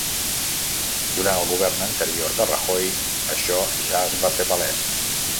Durant el govern anterior de Rajoy, això ja es va fer palès.